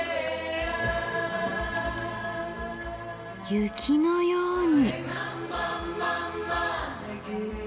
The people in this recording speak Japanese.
雪のように。